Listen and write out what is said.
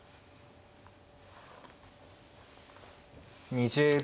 ２０秒。